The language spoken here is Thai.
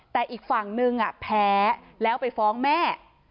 แต่อีกฝั่งนึงแพ้แล้วไปฟ้องแม่